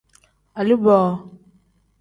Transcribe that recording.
Aliboo.